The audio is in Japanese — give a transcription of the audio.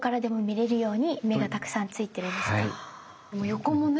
横もね。